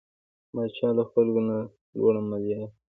پاچا له خلکو نه لوړه ماليه اخلي .